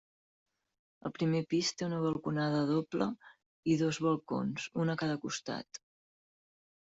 El primer pis té una balconada doble i dos balcons, un a cada costat.